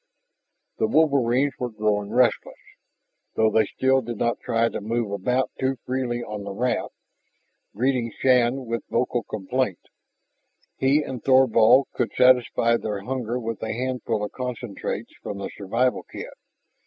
The wolverines were growing restless, though they still did not try to move about too freely on the raft, greeting Shann with vocal complaint. He and Thorvald could satisfy their hunger with a handful of concentrates from the survival kit.